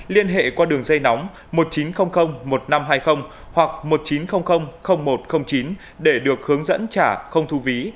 liên hệ qua đường dây nóng một chín không không một năm hai không hoặc một chín không không không một không chín để được hướng dẫn trả không thu ví